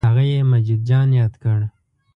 هغه یې مجید جان یاد کړ.